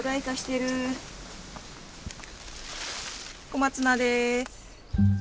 小松菜です。